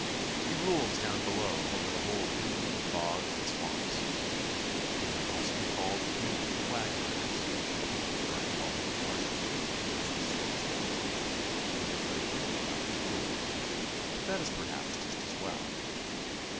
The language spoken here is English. He rules down below over the whole kingdom of bogs and swamps. He might also be called King of the Quagmires, but we prefer to call him the Marsh King, as the storks did. We know very little about his rule, but that is perhaps just as well.